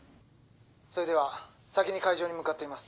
それでは先に会場に向かっています。